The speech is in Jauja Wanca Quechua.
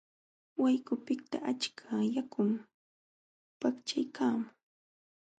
Wayqupiqta achka yakum paqchaykaamun.